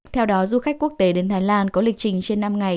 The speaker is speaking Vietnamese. theo đó du khách quốc tế đến thái lan có lịch trình trên năm ngày